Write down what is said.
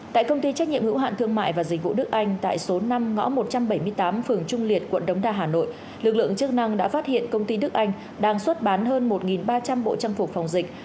tại công ty trách nhiệm hữu hạn thương mại và dịch vụ đức anh tại số năm ngõ một trăm bảy mươi tám phường trung liệt quận đống đa hà nội lực lượng chức năng đã phát hiện công ty đức anh đang xuất bán hơn một ba trăm linh bộ trang phục phòng dịch